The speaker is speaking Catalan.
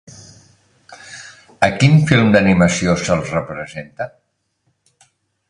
A quin film d'animació se'ls representa?